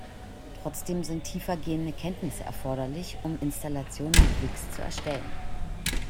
Trotzdem sind tiefergehende Kenntnisse erforderlich, um Installationen mit WiX zu erstellen.